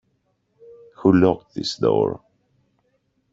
Who locked this door?